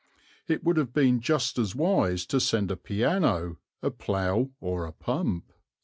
It would have been just as wise to send a piano, a plough, or a pump.